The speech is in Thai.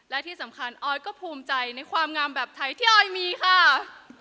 และที่สำคัญออยก็ภูมิใจในความงามแบบไทยที่ออยมีค่ะ